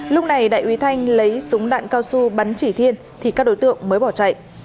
lúc này đại úy thanh lấy súng đạn cao su bắn chỉ thiên thì các đối tượng mới bỏ chạy